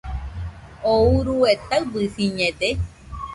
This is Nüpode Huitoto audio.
¿Oo urue taɨbɨsiñede?